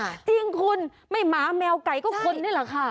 จริงคุณไม่หมาแมวไก่ก็คนนี่แหละค่ะ